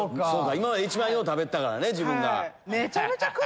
今まで一番よう食べてたからね自分が。